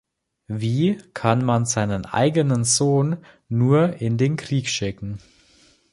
Wie kann man seinen eigenen Sohn nur in den Krieg schicken?